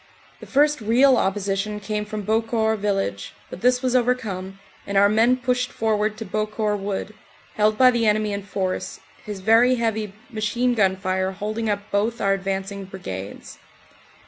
The first real opposition came from Beaucourt village, but this was overcome, and our men pushed forward to Beaucourt wood, held by the enemy in force, his very heavy machine gun fire holding up both our advancing Brigades.